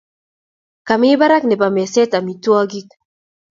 Kamii barak nebo meset amitwogik